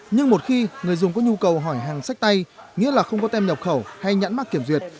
nhưng một khi người dùng có nhu cầu hỏi hàng sách tay nghĩa là không có tem nhập khẩu hay nhãn mắc kiểm duyệt